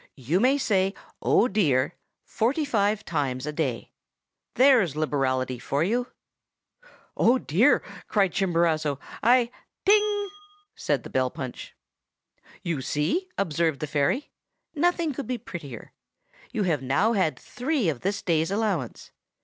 You may say "Oh, dear!" forty five times a day. There's liberality for you!' "'Oh, dear!' cried Chimborazo, 'I—' "'Ting!' said the bell punch. "'You see!' observed the fairy. 'Nothing could be prettier. You have now had three of this day's allowance.